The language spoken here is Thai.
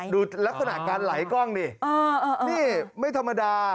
ดูลักษณะการไหลกล้องดินี่ไม่ธรรมดา